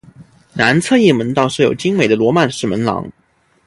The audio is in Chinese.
南侧翼门道设有精美的罗曼式门廊。